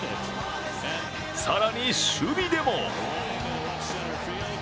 更に、守備でも。